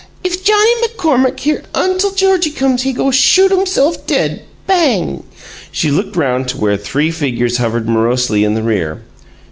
"If Johnnie McCormack hear Untle Georgiecums he go shoot umself dead Bang!" She looked round to where three figures hovered morosely in the rear.